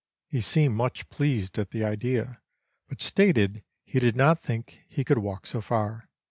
He seemed much pleased at the idea, but stated he did not think he could walk so far.